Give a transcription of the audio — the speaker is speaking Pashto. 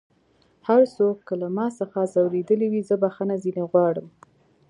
هر څوک که له ما څخه ځؤرېدلی وي زه بخښنه ځينې غواړم